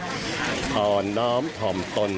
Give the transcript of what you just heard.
ภาพบุรุษอ่อนน้อมถอมตน